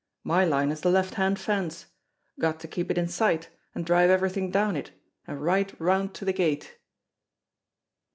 My line is the left hand fence. Got to keep it in sight, and drive everything down it, and right round to the gate."